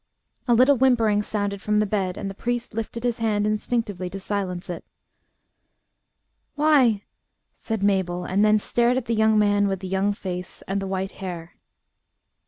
A little whimpering sounded from the bed, and the priest lifted his hand instinctively to silence it. "Why," said Mabel; and then stared at the man with the young face and the white hair.